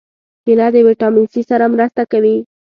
کېله د ویټامین C سره مرسته کوي.